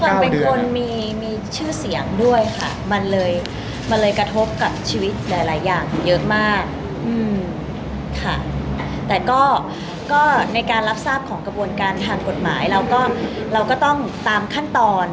ด้วยความเป็นคนมีชื่อเสียงด้วยค่ะมันเลยกระทบกับชีวิตหลายอย่างเยอะมากแต่ก็ในการรับทราบของกระบวนการทางกฎหมายเราก็ต้องตามขั้นตอน